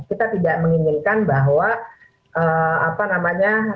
kita tidak menginginkan bahwa apa namanya